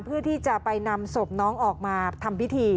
เพื่อที่จะไปนำศพน้องออกมาทำพิธี